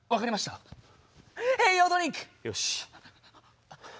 よし。